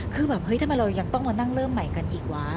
คือแบบเฮ้ยทำไมเรายังต้องมานั่งเริ่มใหม่กันอีกวะ